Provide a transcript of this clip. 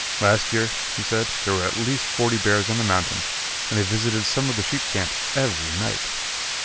Last year, he said, there were at least forty bears on the mountain, and they visited some of the sheep camps every night.